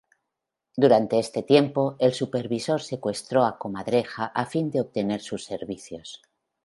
Durante este tiempo, el Supervisor secuestró a Comadreja a fin de obtener sus servicios.